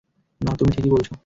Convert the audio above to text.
না, তুমি ঠিকই বলছ।